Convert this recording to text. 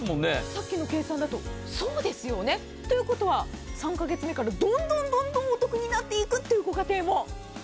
さっきの計算だとそうですよね。ということは３カ月目からどんどんどんどんお得になっていくというご家庭も。